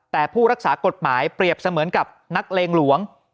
แต่ผู้รักษากฎหมายเปรียบเสมือนกับนักเลงหลวง